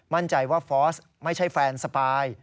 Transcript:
มั่นใจว่าฟอร์สไม่ใช่แฟนสปาย